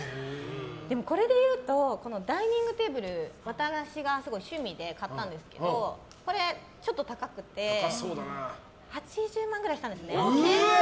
これでいうとダイニングテーブル、私が趣味で買ったんですけどこれ、ちょっと高くて８０万くらいしたんですね。